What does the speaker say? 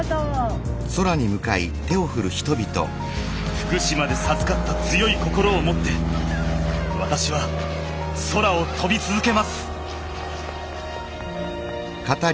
福島で授かった強い心をもって私は空を飛び続けます。